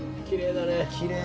きれいだね。